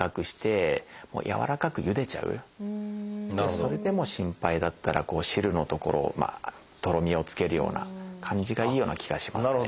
それでも心配だったら汁のところをとろみをつけるような感じがいいような気がしますね。